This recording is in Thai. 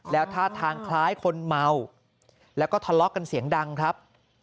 แล้วท่าทางคล้ายคนเมาแล้วก็ทะเลาะกันเสียงดังครับ